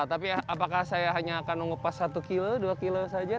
tapi apakah saya hanya akan mengupas satu kilo dua kilo saja